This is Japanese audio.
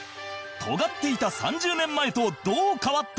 とがっていた３０年前とどう変わった？